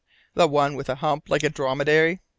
"The one with a hump like a dromedary?"